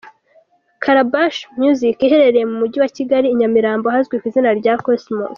Calabash Music iherereye mu mujyi wa Kigali, I Nyamirambo ahazwi ku izina rya Cosmos.